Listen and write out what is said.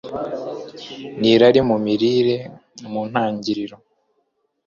n’irari mu mirire Mu ntangiriro,